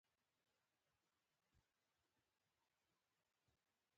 د مستند لغوي مانا منل سوى، باوري، او د اعتبار وړ ده.